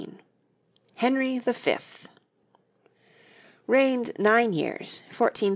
HENRY THE FIFTH Reigned nine years: 1413 1422.